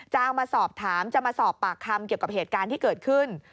เอามาสอบถามจะมาสอบปากคำเกี่ยวกับเหตุการณ์ที่เกิดขึ้น